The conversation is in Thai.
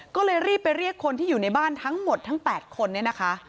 ก็เลยรีบไปเรียกคนที่อยู่ในบ้านทั้งหมดทั้ง๘คนเนี่ยนะคะ